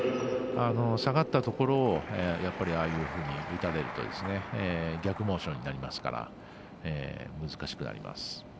下がったところをああいうふうに打たれると逆モーションになりますから難しくなります。